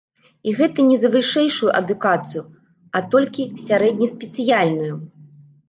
І гэта не за вышэйшую адукацыю, а толькі сярэднеспецыяльную!